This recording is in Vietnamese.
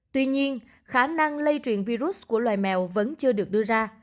tuy nhiên khả năng lây truyền virus của loài mèo vẫn chưa được đưa ra